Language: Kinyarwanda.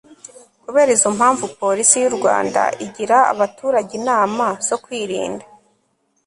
kubera izo mpamvu, porisi y'u rwanda igira abaturage inama zo kwirinda